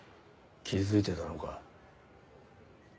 気付いてたのか。